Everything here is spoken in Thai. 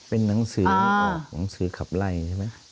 เป็นหนังสือหนังสือขับไล่ใช่ไหม